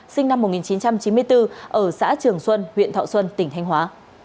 sinh năm một nghìn chín trăm chín mươi bốn ở xã trường xuân huyện thọ xuân tỉnh thanh hóa